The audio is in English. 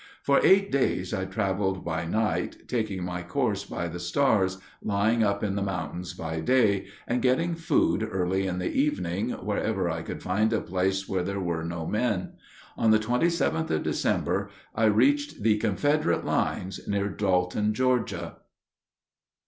For eight days I traveled by night, taking my course by the stars, lying up in the mountains by day, and getting food early in the evening wherever I could find a place where there were no men. On the 27th of December I reached the Confederate lines near Dalton, Georgia.